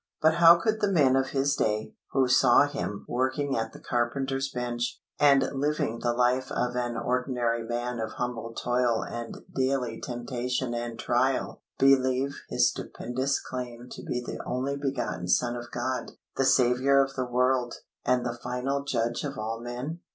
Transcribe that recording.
But how could the men of His day, who saw Him working at the carpenter's bench, and living the life of an ordinary man of humble toil and daily temptation and trial, believe His stupendous claim to be the only begotten Son of God, the Saviour of the world, and the final Judge of all men?